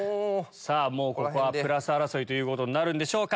ここはプラス争いということになるんでしょうか。